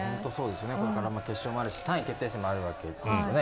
ここから決勝もあるし３位決定戦もありますよね。